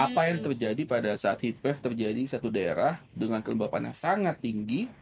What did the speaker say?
apa yang terjadi pada saat hit fee terjadi di satu daerah dengan kelembapan yang sangat tinggi